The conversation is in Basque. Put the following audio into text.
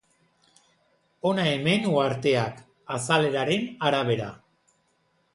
Hona hemen uharteak, azaleraren arabera.